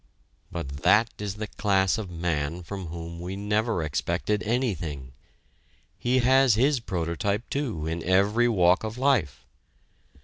But that is the class of man from whom we never expected anything. He has his prototype, too, in every walk of life.